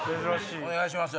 お願いしますよ